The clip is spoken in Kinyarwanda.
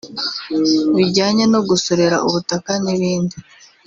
bijyanye no gusorera ubutaka n’ibindi